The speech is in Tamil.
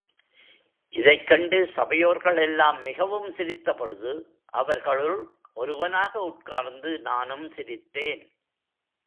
இதைக் கண்டு சபையோர்களெல்லாம் மிகவும் சிரித்தபொழுது, அவர்களுள் ஒருவனாக உட்கார்ந்து நானும் சிரித்தேன்.